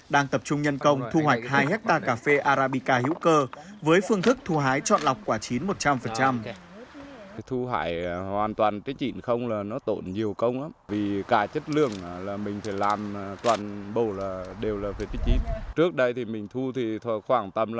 đang tập trung nhân công thu hoạch hai hectare cà phê arabica hữu cơ